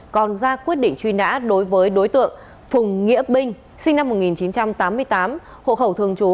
còn ra quyết định truy nã đối với đối tượng phùng nghĩa binh sinh năm một nghìn chín trăm tám mươi tám hộ khẩu thường trú